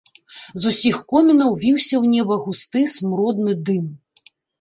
З усіх комінаў віўся ў неба густы смуродны дым.